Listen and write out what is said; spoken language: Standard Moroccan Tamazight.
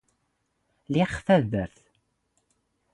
ⵍⵉⵖ ⵜⴰⴷⴷⴰⵔⵜ.